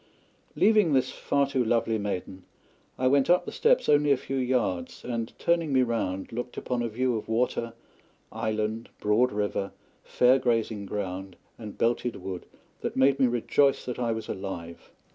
Leaving this far too lovely maiden, I went up the steps only a few yards, and, turning me round, looked upon a view of water, island, broad river, fair grazing ground, and belted wood that made me rejoice that I was alive.